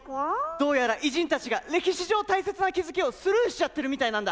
どうやら偉人たちが歴史上大切な「気付き」をスルーしちゃってるみたいなんだ。